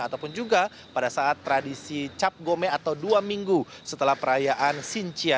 ataupun juga pada saat tradisi cap gome atau dua minggu setelah perayaan xinjia